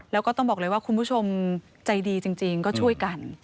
แล้วก็ต้องบอกเลยว่าคุณผู้ชมใจดีจริงก็ช่วยกัน